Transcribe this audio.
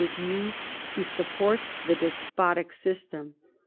as used to support the desjiotic system.